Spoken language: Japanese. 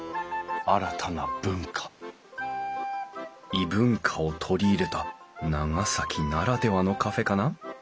異文化を取り入れた長崎ならではのカフェかな？